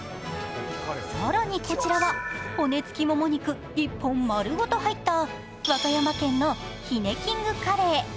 更にこちらは骨つきもも肉１本丸ごと入った和歌山県のひねキングカレー。